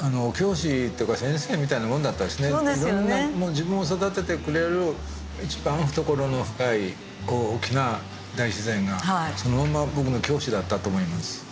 自分を育ててくれる一番懐の深い大きな大自然がそのまま僕の教師だったと思います。